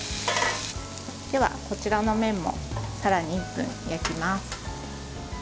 では、こちらの面もさらに１分焼きます。